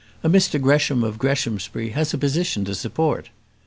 A Mr Gresham of Greshamsbury has a position to support."